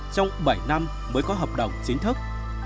trong bảy năm mới có hợp đồng chính thức